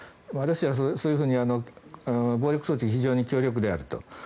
ロシアはそういうふうに暴力装置が非常に強力であると。